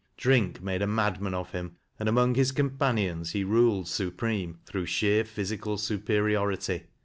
Drink made a madman of him, and among his companions he ruled supreme through sheiei physical superiority.